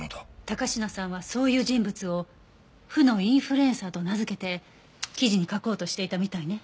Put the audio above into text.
高階さんはそういう人物を「負のインフルエンサー」と名付けて記事に書こうとしていたみたいね。